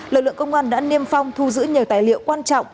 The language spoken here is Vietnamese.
lực lượng công an đã niêm phong thu giữ nhiều tài liệu quan trọng